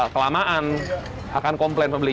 kelamaan akan komplain pembeli